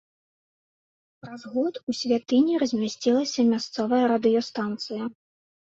Праз год у святыні размясцілася мясцовая радыёстанцыя.